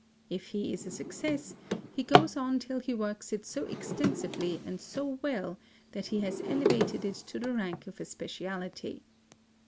If he is a success, he goes on till he works it so extensively and so well that he has elevated it to the rank of a speciality.